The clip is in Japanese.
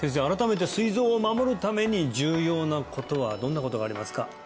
改めてすい臓を守るために重要なことはどんなことがありますか？